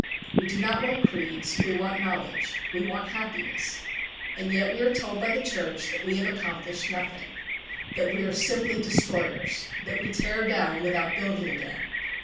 We do not want creeds; we want knowledge we want happiness. And yet we are told by the Church that we have accomplished nothing; that we are simply destroyers; that we tear down without building again.